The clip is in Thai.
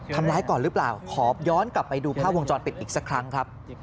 ทำร้ายก่อนหรือเปล่าขอย้อนกลับไปดูภาพวงจรปิดอีกสักครั้งครับ